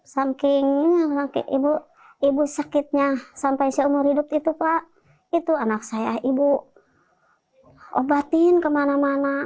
saking ibu sakitnya sampai seumur hidup itu pak itu anak saya ibu obatin kemana mana